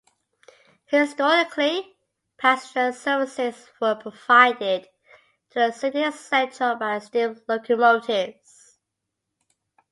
Historically, passenger services were provided to the Sydney Central by steam locomotives.